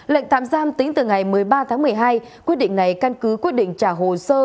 lệnh tạm giam tính từ ngày một mươi ba tháng một mươi hai quyết định này căn cứ quyết định trả hồ sơ